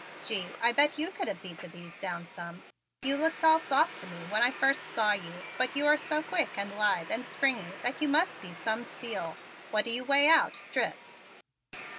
Gee, I bet you could have beat the bees down some. You looked all soft to me when I first saw you but you are so quick and lithe and springy that you must be some steel. What do you weigh out, stripped?"